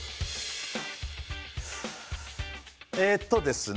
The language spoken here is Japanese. えっとですね